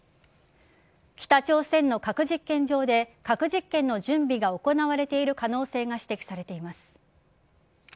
北朝鮮の核実験場で核実験の準備が行われている可能性が指摘されています。